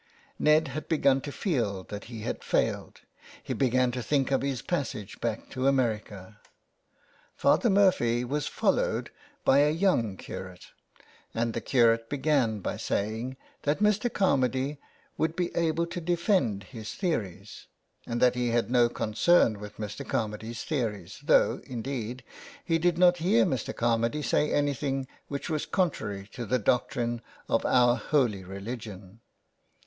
Ned had begun to feel that he had failed, he began to think of his passage back to America. Father Murphy was followed by a young curate, and the curate began by saying that Mr. Carmady would be able to defend his theories, and that he had no concern with Mr. Carmady's theories, though, indeed, he did not hear Mr. Carmady say anything which was contrary to the doctrine of our " holy religion."